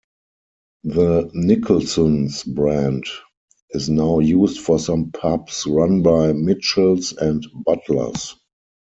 The Nicholson's brand is now used for some pubs run by Mitchells and Butlers.